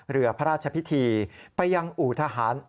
เรือพระราชพิธีไปยังอู่ทหาร